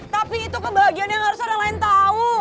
tapi itu kebahagiaan yang harus ada yang tau